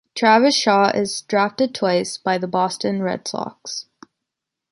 Travis Shaw is drafted twice by the Boston Red Sox.